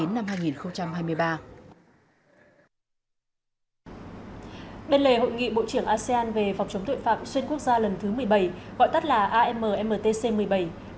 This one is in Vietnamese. bên lề hội nghị bộ trưởng asean về phòng chống tội phạm xuyên quốc gia lần thứ một mươi bảy gọi tắt là ammtc một mươi bảy